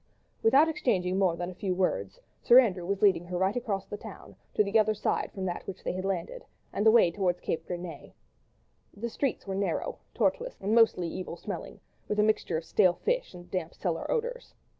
Without exchanging more than a few words, Sir Andrew was leading her right across the town, to the other side from that where they had landed, and on the way towards Cap Gris Nez. The streets were narrow, tortuous, and mostly evil smelling, with a mixture of stale fish and damp cellar odours.